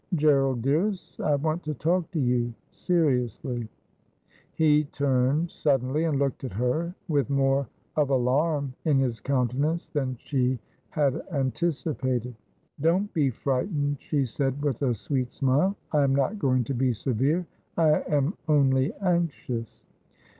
' Gerald dearest, I want to talk to you — seriously.' He turned suddenly, and looked at her, with more of alarm in his countenance than she had anticipated. ' Don't be frightened,' she said with a sweet smile. ' I am not going to be severe. I am only anxious.'